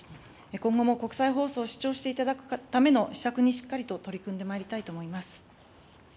今後も国際放送を視聴していただくための施策にしっかりと取り組んでまいりたいと思います。